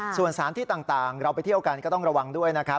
ส่วนสถานที่ต่างเราไปเที่ยวกันก็ต้องระวังด้วยนะครับ